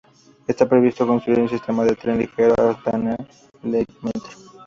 Está previsto construir un sistema de tren ligero, el "Astana Light Metro".